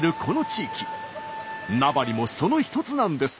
名張もその一つなんです。